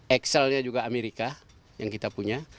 excelnya juga amerika yang kita punya